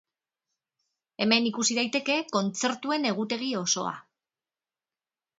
Hemen ikusi daiteke kontzertuen egutegi osoa.